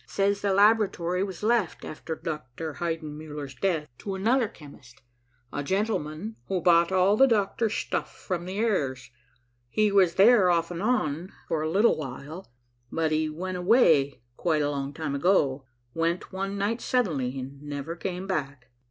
Says the laboratory was left after Dr. Heidenmuller's death to another chemist, a gentlemen who bought all the doctor's stuff from the heirs. He was there, off and on, for a little while, but he went away quite a long time ago, went one night suddenly and never came back.